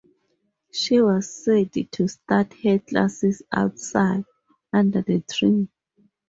She was said to start her classes outside, under the tree.